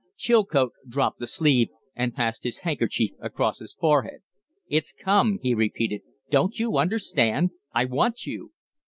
Chilcote dropped the sleeve and passed his handkerchief across his forehead. "It's come," he repeated. "Don't you understand? I want you."